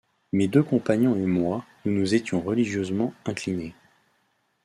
Mes deux compagnons et moi, nous nous étions religieusement inclinés.